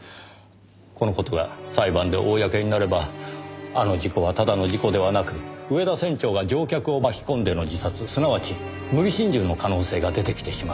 この事が裁判で公になればあの事故はただの事故ではなく上田船長が乗客を巻き込んでの自殺すなわち無理心中の可能性が出てきてしまう。